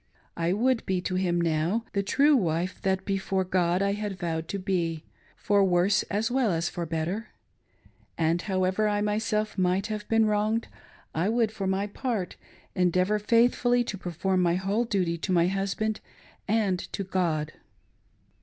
I would be to him now the true wife that before God I had vowed to be, for worse as well as for better ; and however I myself might have been wronged, I would, for my part, endeavor faithfully to perform my whole duty to my husband and to God.